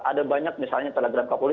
ada banyak misalnya telegram kapolri